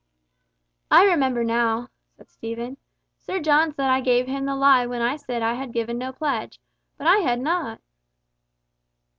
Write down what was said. "I remember now," said Stephen, "Sir John said I gave him the lie when I said I had given no pledge. But I had not!"